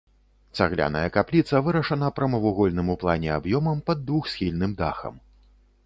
Цагляная капліца вырашана прамавугольным у плане аб'ёмам пад двухсхільным дахам.